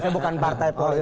saya bukan partai politik